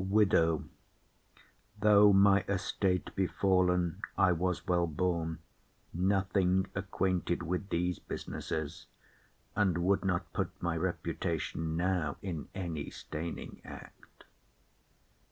WIDOW. Though my estate be fall'n, I was well born, Nothing acquainted with these businesses, And would not put my reputation now In any staining act.